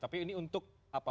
tapi ini untuk apa